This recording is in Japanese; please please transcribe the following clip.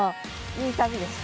いい旅でした。